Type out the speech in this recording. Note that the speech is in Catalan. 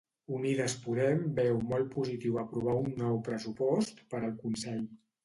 Unides Podem veu molt positiu aprovar un nou pressupost per al Consell.